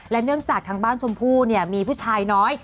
เนื่องจากทางบ้านชมพู่มีผู้ชายน้อย